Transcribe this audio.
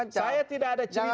saya tidak ada cerita